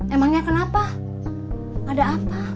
emangnya kenapa ada apa